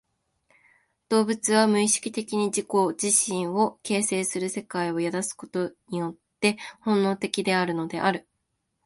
動物は無意識的に自己自身を形成する世界を宿すことによって本能的であるのである。